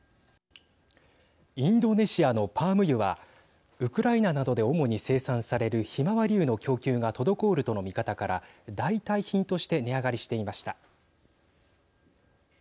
インドネシアのパーム油はウクライナなどで主に生産されるひまわり油の供給が滞るとの見方から代替品として値上がりしていました。